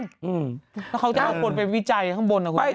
แล้วเขาจะเอาคนไปวิจัยข้างบนนะคุณ